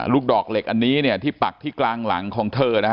ลูกดอกเหล็กอันนี้ที่ปักที่กลางหลังของเธอ